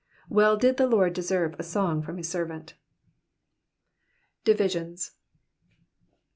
Well did the Lord deserve a song from his servant. Divisions.